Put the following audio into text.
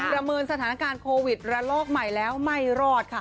เมินสถานการณ์โควิดระลอกใหม่แล้วไม่รอดค่ะ